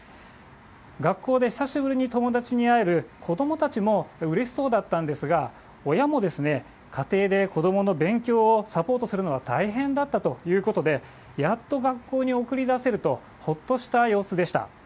学校で久しぶりに友達に会える子どもたちもうれしそうだったんですが、親も家庭で子どもの勉強をサポートするのが大変だったということで、やっと学校に送り出せると、ほっとした様子でした。